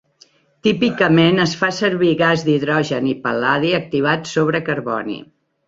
Típicament es fa servir gas d'hidrogen i pal·ladi activat sobre carboni.